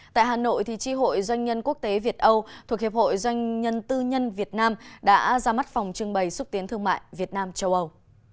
tại hà nội tri hội doanh nhân quốc tế việt âu thuộc hiệp hội doanh nhân tư nhân việt nam đã ra mắt phòng trưng bày xúc tiến thương mại việt nam châu âu